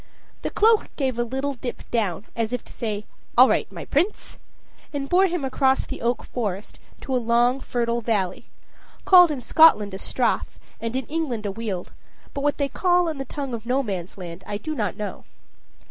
The cloak gave a little dip down, as if to say "All right, my Prince," and bore him across the oak forest to a long fertile valley called in Scotland a strath and in England a weald, but what they call it in the tongue of Nomansland I do not know.